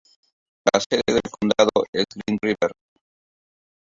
La sede del condado es Green River.